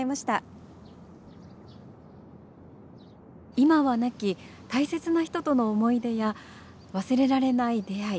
今は亡き大切な人との思い出や忘れられない出会い。